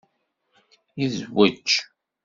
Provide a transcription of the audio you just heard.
Yezwej.